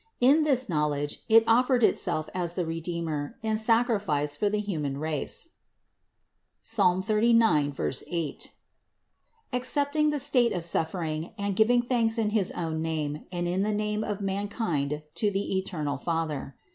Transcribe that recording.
In this knowledge it of fered itself as the Redeemer in sacrifice for the human race (Ps. 39, 8), accepting the state of suffering and giving thanks in his own name and in the name of man kind to the eternal Father.